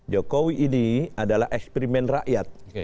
jokowi ini adalah eksperimen rakyat